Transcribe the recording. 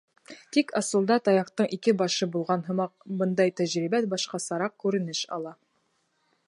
Тик, асылда, таяҡтың ике башы булған һымаҡ, бындай тәжрибә башҡасараҡ күренеш ала.